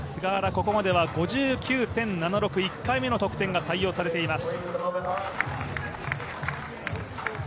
ここまでは５９．７６、１回目の得点が採用されています。